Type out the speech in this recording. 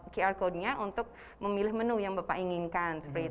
qr code nya untuk memilih menu yang bapak inginkan